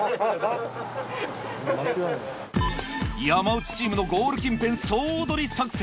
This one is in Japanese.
山内チームのゴール近辺総取り作戦。